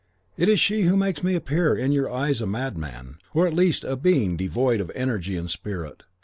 It is she who makes me appear in your eyes a madman, or at least a being devoid of energy and spirit.